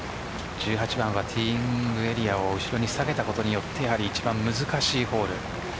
１８番はティーイングエリアを後ろに下げたことによって一番難しいホール。